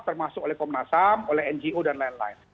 termasuk oleh komnas ham oleh ngo dan lain lain